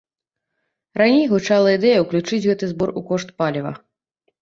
Раней гучала ідэя ўключыць гэты збор у кошт паліва.